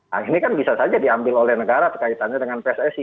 nah ini kan bisa saja diambil oleh negara kaitannya dengan pssi